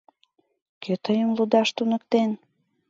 — Кӧ тыйым лудаш туныктен?